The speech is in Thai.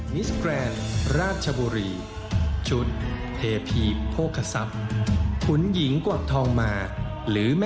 มิสแกรนเข้ามากับชุดอะไรบ้างก็ไม่รู้อ่ะ